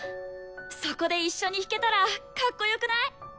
そこで一緒に弾けたらかっこよくない？